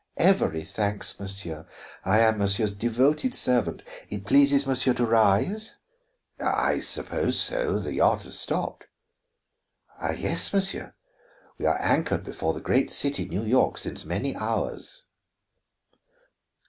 "Every thanks, monsieur; I am monsieur's devoted servant. It pleases monsieur to rise?" "I suppose so. The yacht has stopped." "Yes, monsieur. We are anchored before the great city, New York, since many hours."